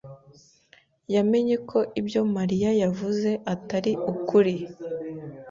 yamenye ko ibyo Mariya yavuze atari ukuri.